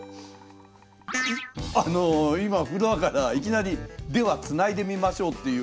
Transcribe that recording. あの今フロアからいきなり「ではつないでみましょう」っていう。